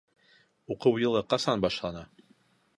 Уҡыу йылы ҡасан башлана?